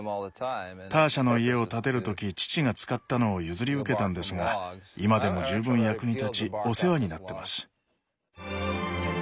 ターシャの家を建てる時父が使ったのを譲り受けたんですが今でも十分役に立ちお世話になってます。